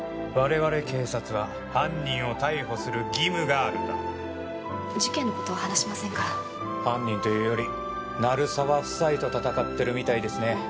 我々警察は犯人を逮捕する義務があるんだ事件のことは話しませんから犯人というより鳴沢夫妻と戦ってるみたいですね